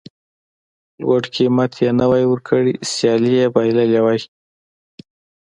لوړ قېمت یې نه وای ورکړی سیالي یې بایللې وای.